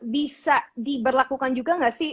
bisa diberlakukan juga nggak sih